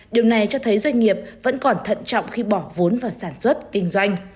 điều này cho thấy doanh nghiệp vẫn còn thận trọng khi bỏ vốn vào sản xuất kinh doanh